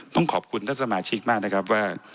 ต้องขอบคุณท่านสมาชิกมากนะครับว่า